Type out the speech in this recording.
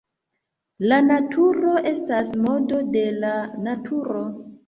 La naturo estas modo de la Naturo.